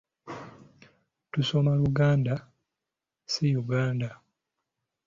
Tusoma Luganda si Uganda.